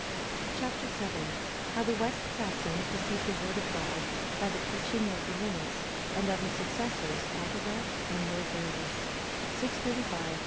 Chap. VII. How the West Saxons received the Word of God by the preaching of Birinus; and of his successors, Agilbert and Leutherius.